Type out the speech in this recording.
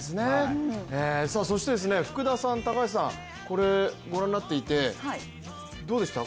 そして福田さん、高橋さん、ご覧になっていてどうでした？